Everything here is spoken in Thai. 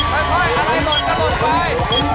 ค่อยอะไรหล่นก็หล่นไป